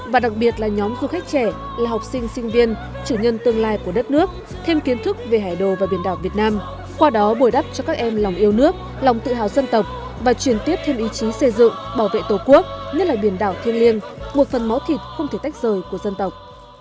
và đặc biệt là nhóm du khách trẻ là học sinh sinh viên chủ nhân tương lai của đất nước thêm kiến thức về hải đồ và biển đảo việt nam qua đó bồi đắp cho các em lòng yêu nước lòng tự hào dân tộc và truyền tiếp thêm ý chí xây dựng bảo vệ tổ quốc nhất là biển đảo thiên liêng một phần máu thịt không thể tách rời của dân tộc